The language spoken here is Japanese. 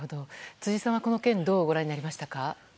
辻さんはこの件をどうご覧になりましたか？